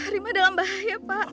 rima dalam bahaya pak